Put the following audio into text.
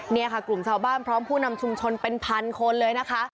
นี่ค่ะกลุ่มชาวบ้านพร้อมผู้นำชุมชนเป็นพันคนเลยนะคะ